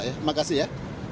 terima kasih ya